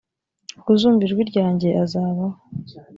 uzumva ijwi ryanjye azabaho